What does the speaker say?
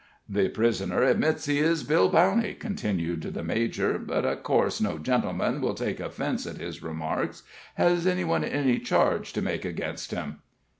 "The prisoner admits he is Bill Bowney," continued the major, "but of course no gentleman will take offense at his remarks. Has any one any charge to make against him?"